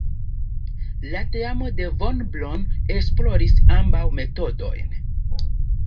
La teamo de Von Braun esploris ambaŭ metodojn.